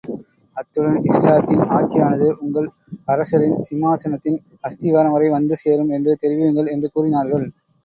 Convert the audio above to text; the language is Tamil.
அத்துடன் இஸ்லாத்தின் ஆட்சியானது, உங்கள் அரசரின் சிம்மாசனத்தின் அஸ்திவாரம் வரை வந்து சேரும் என்றும் தெரிவியுங்கள், என்று கூறினார்கள்.